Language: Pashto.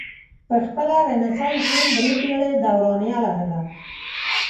پخپله رنسانس هم درې پیړۍ دورانیه لرله.